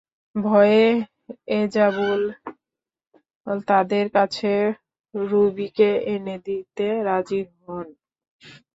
ভয়ে এজাবুল তাঁদের কাছে রুবীকে এনে দিতে রাজি হন।